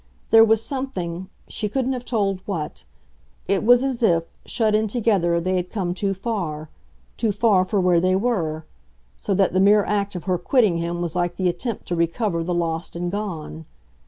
There was something she couldn't have told what; it was as if, shut in together, they had come too far too far for where they were; so that the mere act of her quitting him was like the attempt to recover the lost and gone.